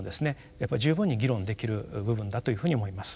やっぱ十分に議論できる部分だというふうに思います。